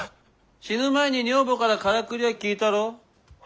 死ぬ前に女房からカラクリは聞いたろ？